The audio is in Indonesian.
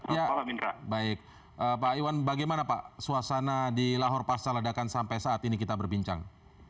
ya baik pak iwan bagaimana pak suasana di lahor pasca ledakan sampai saat ini kita berbincang